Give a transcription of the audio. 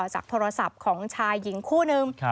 จากโทรศัพท์ของชายหญิงคู่นึง